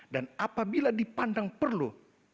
dan apabila dipandang perlu